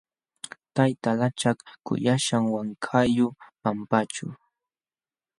Tayta lachak kuyaśhqam wankayuq pampaćhu.